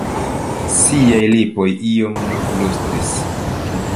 Ŝiaj lipoj ion flustris.